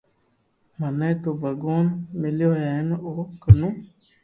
مني تو ڀگوان مليو ھين ۾ او ڪنو